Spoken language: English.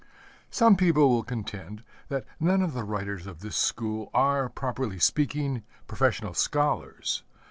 Some people will contend that none of the writers of this school are, properly speaking, professional scholars.